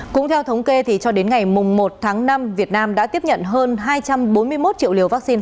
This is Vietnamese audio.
cũng theo thống kê cho đến ngày một tháng năm việt nam đã tiếp nhận hơn hai trăm bốn mươi một triệu liều vaccine